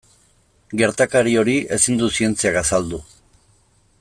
Gertakari hori ezin du zientziak azaldu.